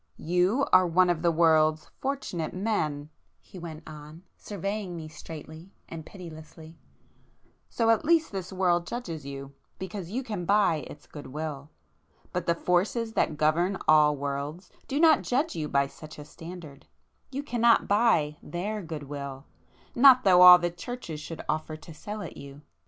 "You are one of the world's 'fortunate' men,—" he went on, surveying me straightly and pitilessly—"So at least this world judges you, because you can buy its good will. But the Forces that govern all worlds, do not judge you by such a standard,—you cannot buy their good will, not though all the Churches should offer to sell it you!